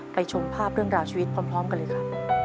ชมภาพเรื่องราวชีวิตพร้อมกันเลยครับ